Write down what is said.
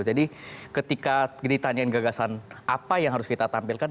jadi ketika ditanyakan gagasan apa yang harus kita tampilkan